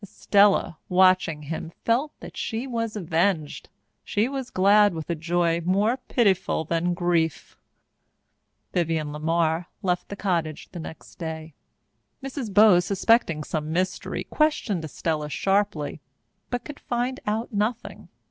Estella, watching him, felt that she was avenged. She was glad with a joy more pitiful than grief. Vivienne LeMar left the cottage the next day. Mrs. Bowes, suspecting some mystery, questioned Estella sharply, but could find out nothing.